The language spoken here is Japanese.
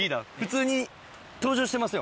リーダー、普通に登場してますよ。